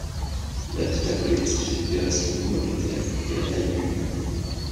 L'habitat collectif y reste minoritaire et à taille humaine.